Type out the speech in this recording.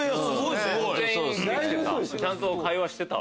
ちゃんと会話してたわ。